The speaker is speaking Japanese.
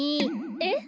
えっ？